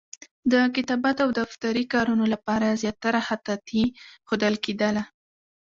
د کتابت او دفتري کارونو لپاره زیاتره خطاطي ښودل کېدله.